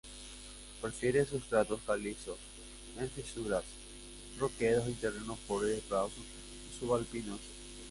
Prefiere sustratos calizos, en fisuras, roquedos y terreno pobre de prados subalpinos.